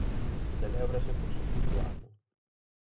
Celébrase por segundo ano.